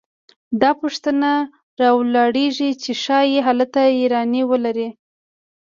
دا پوښتنه راولاړېږي چې ښايي هلته یارانې ولري